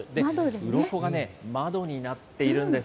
うろこがね、窓になっているんです。